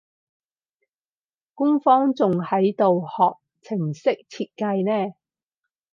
官方仲喺度學程式設計呢